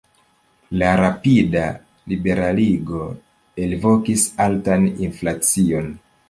La rapida liberaligo elvokis altan inflacion.